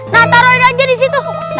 nah taruh aja disitu